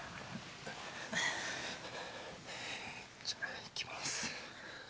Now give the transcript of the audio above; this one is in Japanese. じゃあいきます。